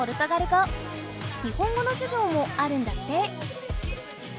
日本語の授業もあるんだって！